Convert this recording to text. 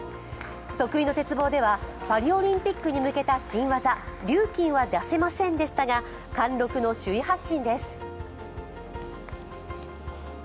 得意の鉄棒ではパリオリンピックに向けた新技リューキンは出せませんでしたが貫禄の首位発進です。